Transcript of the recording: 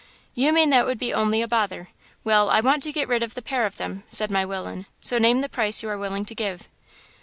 "'You mean that would be only a bother. Well, I want to get rid of the pair of them,' said my willain, 'so name the price you are willing to give.'